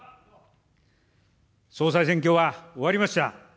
総裁選挙は終わりました。